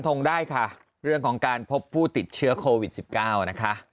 ทงได้ค่ะเรื่องของการพบผู้ติดเชื้อโควิด๑๙นะคะ